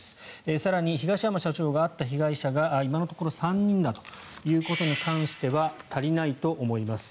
更に、東山社長が会った被害者が今のところ３人だということに関しては足りないと思います